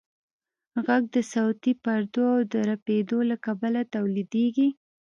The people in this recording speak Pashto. غږ د صوتي پردو د رپېدو له کبله تولیدېږي.